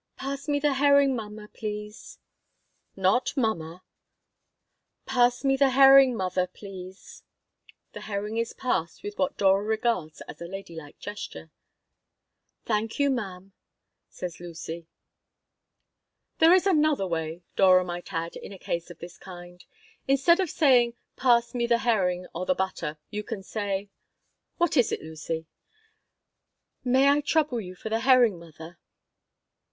"Pass me the herring, mamma, please." "Not 'mamma.'" "Pass me the herring, mother, please." The herring is passed with what Dora regards as a lady like gesture "Thank you, ma'am," says Lucy "There is another way," Dora might add in a case of this kind. "Instead of saying, 'Pass me the herring or the butter,' you can say What is it, Lucy?" "May I trouble you for the herring, mother?"